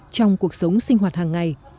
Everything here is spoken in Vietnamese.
trong cuộc sống sinh hoạt hàng ngày